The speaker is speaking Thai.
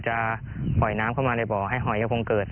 จะปล่อยน้ำเข้ามาในบ่อให้หอยยังคงเกิด